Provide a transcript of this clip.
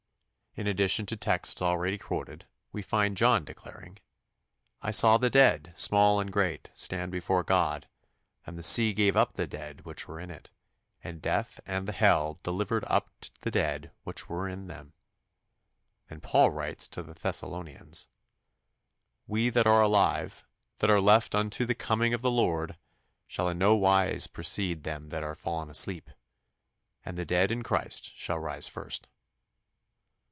In addition to texts already quoted, we find John declaring, "I saw the dead, small and great, stand before God, ... and the sea gave up the dead which were in it; and death and hell delivered up the dead which were in them"; and Paul writes to the Thessalonians, "We that are alive, that are left unto the coming of the Lord, shall in no wise precede them that are fallen asleep ... and the dead in Christ shall rise first."